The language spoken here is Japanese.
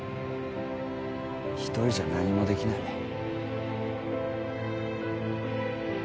一人じゃ何もできない。